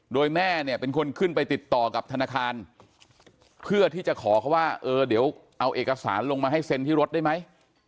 โดยแม่เนี่ยเป็นคนขึ้นไปติดต่อกับธนาคารเพื่อที่จะขอเขาว่าเออเดี๋ยวเอาเอกสารลงมาให้เซ็นที่รถได้ไหม